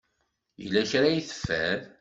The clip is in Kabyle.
Yella kra ay teffer?